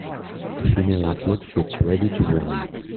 A female athlete gets ready to run.